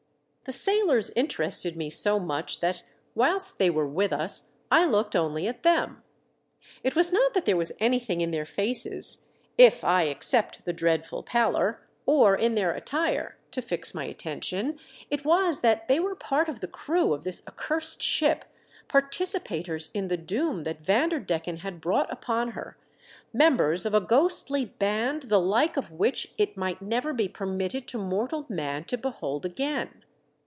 The sailors interested me so much that, whilst they were with us, I looked only at them. It was not that there was anything in their faces, if I except the dreadful pallor, or in their attire, to fix my attention ; it was that they were a part of the crew of this accurst ship, participators in the doom that Vanderdecken had brought upon her, mem bers of a ghostly band the like of which it might never be permitted to mortal man to behold again.